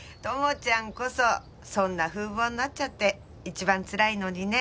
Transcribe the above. ちゃんこそそんな風貌になっちゃって一番つらいのにね。